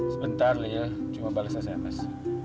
sebentar lil cuma bales sms